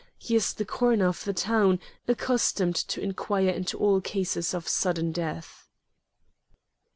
He is the coroner of the town, accustomed to inquire into all cases of sudden death."